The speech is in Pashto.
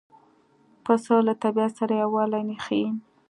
پسه له طبیعت سره یووالی ښيي.